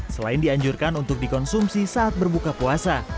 selain dianjurkan untuk dikonsumsi saat berbuka puasa